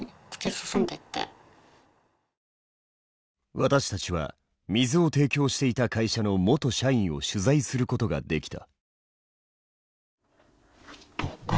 私たちは水を提供していた会社の元社員を取材することができた。